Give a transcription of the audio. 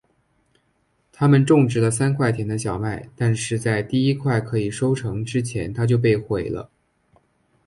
他们种植了三块田的小麦但是在第一块可以收成之前它就被毁了。